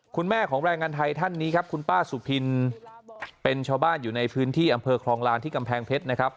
คุณแม่ของแรงงานไทยท่านนี้ครับคุณป้าสุพินเป็นชาวบ้านอยู่ในพื้นที่อำเภอคลองลานที่กำแพงเพชรนะครับ